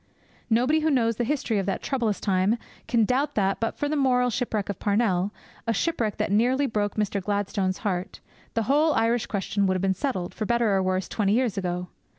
Nobody who knows the history of that troublous time can doubt that, but for the moral shipwreck of Parnell, a shipwreck that nearly broke Mr. Gladstone's heart, the whole Irish question would have been settled, for better or for worse, twenty years ago.